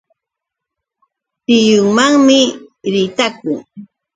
Tiyunmanmi ritakun.